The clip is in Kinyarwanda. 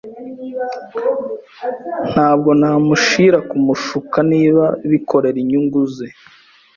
Ntabwo namushira kumushuka niba bikorera inyungu ze.